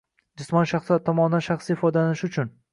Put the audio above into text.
Jismoniy shaxslar tomonidan shaxsiy foydalanishi uchun